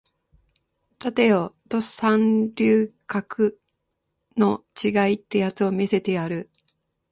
立てよド三流格の違いってやつを見せてやる